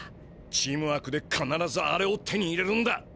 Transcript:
チームワークでかならずあれを手に入れるんだ。